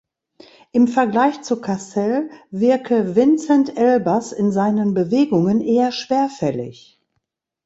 Im Vergleich zu Cassel wirke Vincent Elbaz in seinen Bewegungen eher schwerfällig.